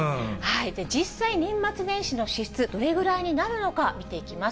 実際、年末年始の支出、どれぐらいになるのか、見ていきます。